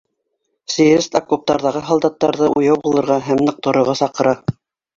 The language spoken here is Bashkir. Съезд окоптарҙағы һалдаттарҙы уяу булырға һәм ныҡ торорға саҡыра.